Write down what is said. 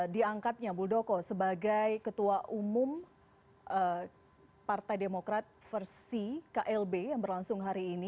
diangkatnya buldoko sebagai ketua umum partai demokrat versi klb yang berlangsung hari ini